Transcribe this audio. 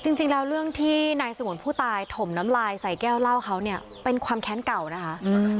จริงแล้วเรื่องที่นายสงวนผู้ตายถมน้ำลายใส่แก้วเหล้าเขาเนี่ยเป็นความแค้นเก่านะคะ